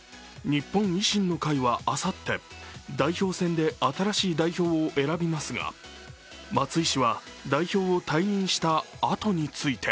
日本維新の会はあさって代表選で新しい代表を選びますが松井氏は代表を退任したあとについて